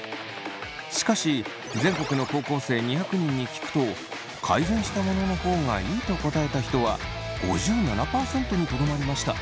しかし全国の高校生２００人に聞くと改善したものの方がいいと答えた人は５７％にとどまりました。